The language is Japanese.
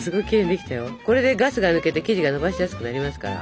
これでガスが抜けて生地がのばしやすくなりますから。